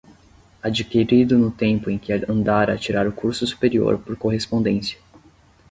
adquirido no tempo em que andara a tirar o curso superior por correspondência